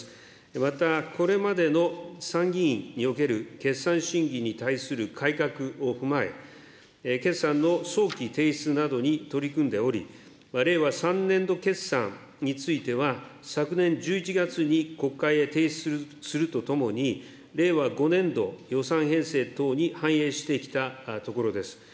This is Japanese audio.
また、これまでの参議院における決算審議に対する改革を踏まえ、決算の早期提出などに取り組んでおり、令和３年度決算については昨年１１月に国会へ提出するとともに、令和５年度予算編成等に反映してきたところです。